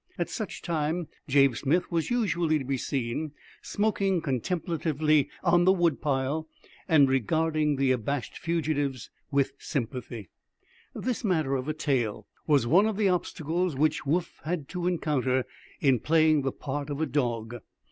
At such time Jabe Smith was usually to be seen smoking contemplatively on the woodpile, and regarding the abashed fugitives with sympathy. This matter of a tail was one of the obstacles which Woof had to encounter in playing the part of a dog.